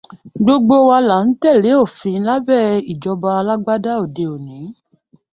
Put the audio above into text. Gbogbo wa la ń tẹ̀lé òfin lábẹ́ ìjọba alágbádá òde òní